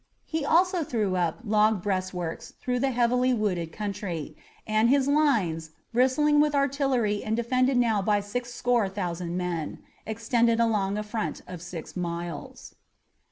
He also threw up log breastworks through the heavily wooded country, and his lines, bristling with artillery and defended now by six score thousand men, extended along a front of six miles.